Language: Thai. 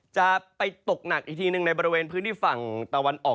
จะไปตกหนักอีกทีหนึ่งในบริเวณพื้นที่ฝั่งตะวันออก